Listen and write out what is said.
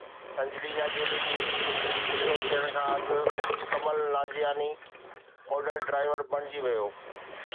Angelina Jolie جي hero ٿيڻ کان اڳ ڪمل نانجياڻي اوبر ڊرائيور بڻجي ويو